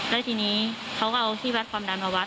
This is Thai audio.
แล้วทีนี้เขาก็เอาที่วัดความดันมาวัด